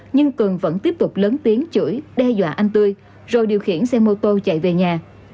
nhưng cường vẫn tiếp tục lớn tiếng chuỗi đe dọa anh tươi rồi điều khiển xe mô tô chạy về nhà